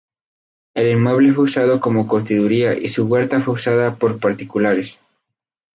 El inmueble fue usado como curtiduría y su huerta fue usada por particulares.